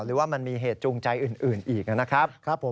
หรือว่ามันมีเหตุจูงใจอื่นอีกนะครับผม